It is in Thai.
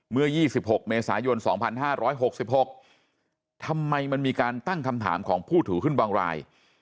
เมื่อ๒๖เมษายน๒๕๖๖ทำไมมันมีการตั้งคำถามของผู้ถือขึ้นบางราย